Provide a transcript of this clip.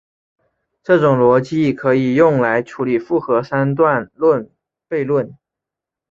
这种逻辑可以用来处理复合三段论悖论。